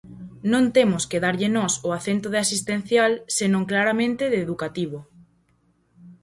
Non temos que darlle nós o acento de asistencial senón claramente de educativo.